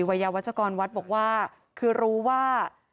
วัยยาวัชกรวัดบอกว่าคือรู้ว่า